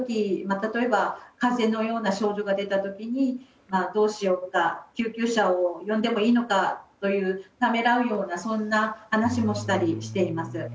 例えば、風邪のような症状が出た時にどうしようとか救急車を呼んでもいいのかというためらうようなそんな話もしたりしています。